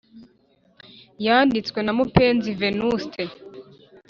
wanditswe na mupenzi venuste